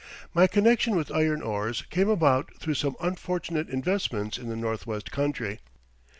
My connection with iron ores came about through some unfortunate investments in the Northwest country.